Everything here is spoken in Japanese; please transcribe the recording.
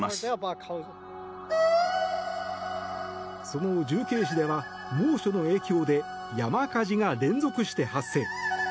その重慶市では猛暑の影響で山火事が連続して発生。